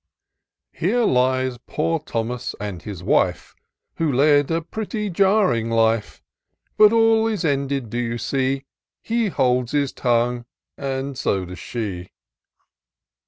" Here lies poor Thomas and his wife, Who led a pretty jarring life; But all is ended, do you see ? He holds his tongue, and so does she."